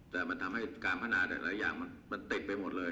แต่มันทำให้การพัฒนาหลายอย่างมันติดไปหมดเลย